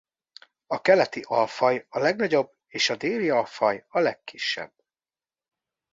A keleti alfaj a legnagyobb és a déli alfaj a legkisebb.